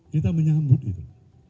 kita menyambut itu